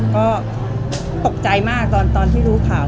ก็ตกใจมากตอนที่รู้ข่าว